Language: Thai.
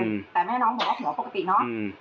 แต่แม่น้องบอกว่าหัวปกติเนอะ